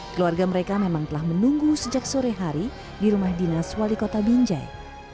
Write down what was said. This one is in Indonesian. keluarga mereka memang telah menunggu sejak sore hari di rumah dinas wali kota binjai